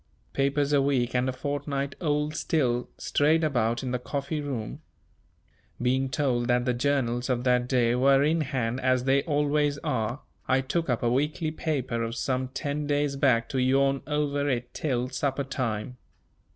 Papers a week and a fortnight old still strayed about in the coffee room. Being told that the journals of that day were "in hand," as they always are, I took up a weekly paper of some ten days back to yawn over it till supper time.